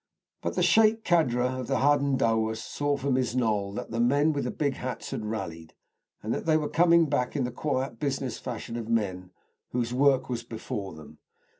But the Sheik Kadra of the Hadendowas saw from his knoll that the men with the big hats had rallied, and that they were coming back in the quiet business fashion of men whose work was before them.